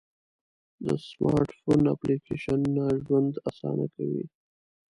د سمارټ فون اپلیکیشنونه ژوند آسانه کوي.